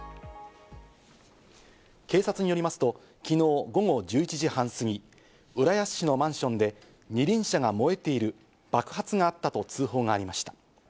警察によりますと昨日午後１１時半過ぎ、浦安市のマンションで二輪車が燃えている、爆発があったと通報がありました。